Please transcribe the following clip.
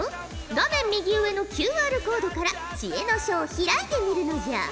画面右上のＱＲコードから知恵の書を開いてみるのじゃ！